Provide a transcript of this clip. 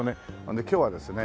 で今日はですね